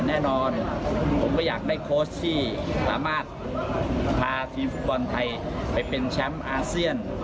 แน่นอนผมก็อยากได้โค้ชที่สามารถพาทีมฟุตบอลไทยไปเป็นแชมป์อาเซียน